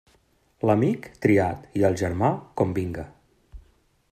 L'amic triat i el germà com vinga.